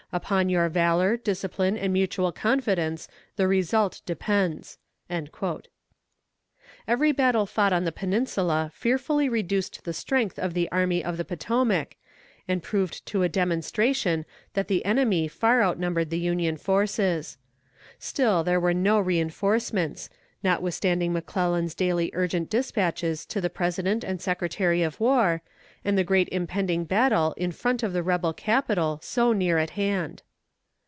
Upon your valor, discipline and mutual confidence, the result depends." Every battle fought on the Peninsula fearfully reduced the strength of the Army of the Potomac, and proved to a demonstration that the enemy far outnumbered the Union forces. Still there were no reinforcements, notwithstanding McClellan's daily urgent despatches to the President and Secretary of War, and the great impending battle in front of the rebel Capital so near at hand.